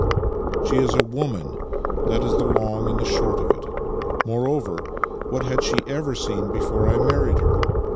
She is a woman — that is the long and the short of it. More over, what had she ever seen before I married her?